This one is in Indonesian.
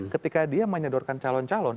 ketika dia menyedorkan calon calon